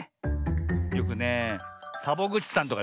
よくねえサボぐちさんとかよくしてるよね。